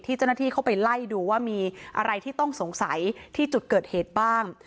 เจ้าหน้าที่เข้าไปไล่ดูว่ามีอะไรที่ต้องสงสัยที่จุดเกิดเหตุบ้าง